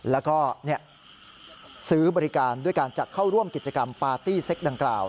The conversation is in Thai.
แล้วก็ซื้อบริการด้วยการจะเข้าร่วมกิจกรรมปาร์ตี้เซ็กดังกล่าว